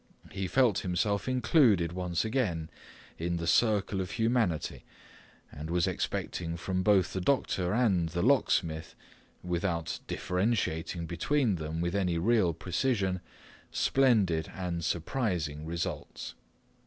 He felt himself included once again in the circle of humanity and was expecting from both the doctor and the locksmith, without differentiating between them with any real precision, splendid and surprising results.